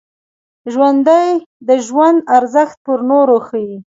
ژوندي د ژوند ارزښت پر نورو ښيي